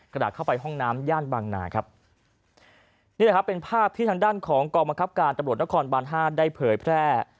ขณะเข้าไปห้องน้ำย่านบางนาครับนี่แหละครับเป็นภาพที่ทางด้านของกองบังคับการตำรวจนครบานห้าได้เผยแพร่